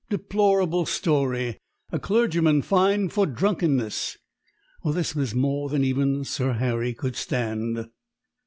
"Deplorable story: A clergyman fined for drunkenness." This was more than even Sir Harry could stand.